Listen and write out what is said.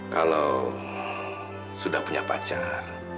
kalau ibu itu sudah punya pacar